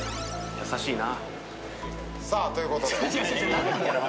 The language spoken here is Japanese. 優しいな。